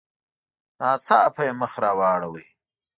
ناڅاپه یې مخ را واړاوه.